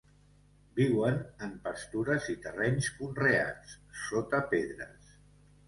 Viuen en pastures i terrenys conreats, sota pedres.